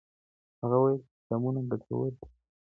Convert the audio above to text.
هغه وويل چي کتابونه ګټور دي؟